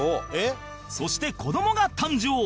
そして子どもが誕生